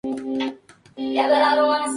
Donde siempre tuvo destacada actuación.